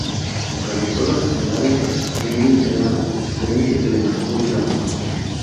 Realizó la secundaria en un internado, experiencia que le marcó duramente.